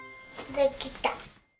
できた。